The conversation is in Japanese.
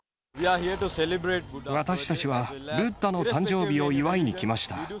私たちは仏陀の誕生日を祝いに来ました。